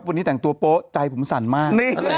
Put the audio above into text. วันนี้แต่งตัวโป๊ะใจผมสั่นมาก